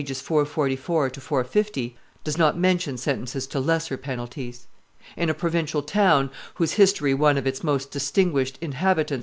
444 450) does not mention sentences to lesser penalties. In a provincial town, whose history one of its most distinguished inhabitants, M.